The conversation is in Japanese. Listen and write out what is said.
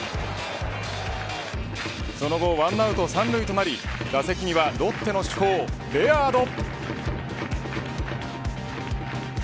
その後、１アウト３塁となり打席にはロッテの主砲レアード。